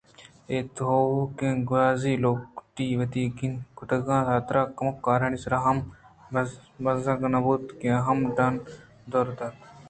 اے تیوگیں گوٛازی ءِ کوٹی وتی کُتگ تر ا کمکارانی سر اہم بزّگ نہ بوت آ ہم تو ڈنّ ءَ دور دات اَنت